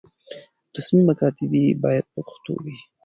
رسمي مکاتبې بايد په پښتو وي.